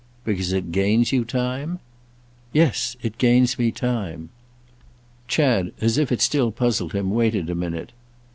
"Because it gains you time?" "Yes—it gains me time." Chad, as if it still puzzled him, waited a minute.